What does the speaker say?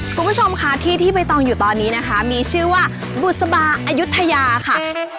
คุณผู้ชมค่ะที่ที่ใบตองอยู่ตอนนี้นะคะมีชื่อว่าบุษบาอายุทยาค่ะ